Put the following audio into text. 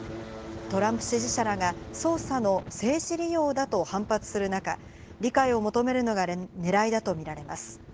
トランプ支持者らが捜査の政治利用だと反発する中、理解を求めるのがねらいだと見られます。